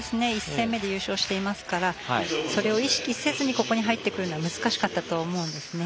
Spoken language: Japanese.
１戦目で優勝していますからそれを意識せずにここに入ってくるのは難しかったと思うんですね。